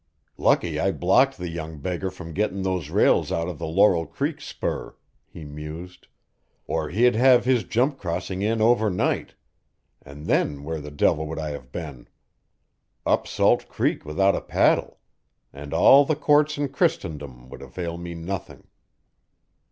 "Lucky I blocked the young beggar from getting those rails out of the Laurel Creek spur," he mused, "or he'd have had his jump crossing in overnight and then where the devil would I have been? Up Salt Creek without a paddle and all the courts in Christendom would avail me nothing."